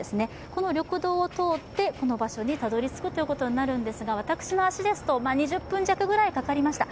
この緑道を通って、この場所にたどりつくことになるわけですが私の足ですと２０分弱ぐらいかかりました。